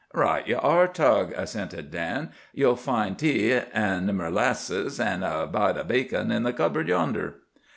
"Right ye are, Tug," assented Dan. "Ye'll find tea an' merlasses, an' a bite o' bacon in the cupboard yonder."